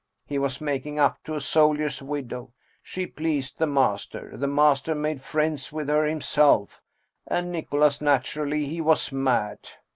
He was making up to a soldier's widow. She pleased the master ; the master made friends with her himself, and Nicholas naturally, he was mad